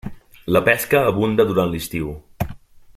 La pesca abunda durant l'estiu.